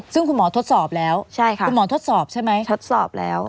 ซึ่งคุณหมอทดสอบแล้วคุณหมอทดสอบใช่ไหมทดสอบแล้ว